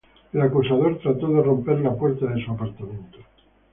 El acosador, trató de romper la puerta de su apartamento.